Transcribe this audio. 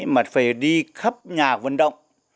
mà phải đi khắp nhà vận động